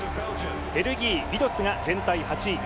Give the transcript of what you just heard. ベルギー、ビドツが全体８位。